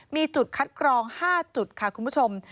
มีจุดคัดกรอง๕จุดค่ะคุณผู้ชม